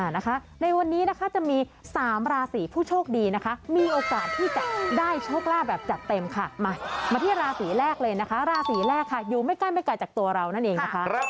นะคะในวันนี้นะคะจะมี๓ราศีผู้โชคดีนะคะมีโอกาสที่จะได้โชคลาภแบบจัดเต็มค่ะมามาที่ราศีแรกเลยนะคะราศีแรกค่ะอยู่ไม่ใกล้ไม่ไกลจากตัวเรานั่นเองนะคะ